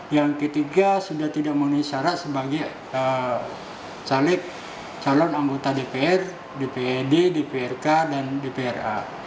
yang ketiga sudah tidak memenuhi syarat sebagai caleg calon anggota dpr dprd dprk dan dpra